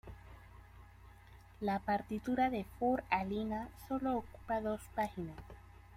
La partitura de "Für Alina" solo ocupa dos páginas.